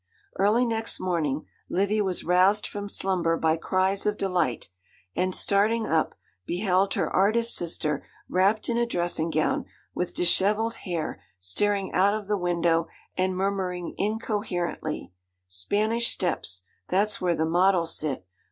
Early next morning, Livy was roused from slumber by cries of delight, and, starting up, beheld her artist sister wrapped in a dressing gown, with dishevelled hair, staring out of the window, and murmuring incoherently, 'Spanish Steps, that's where the models sit.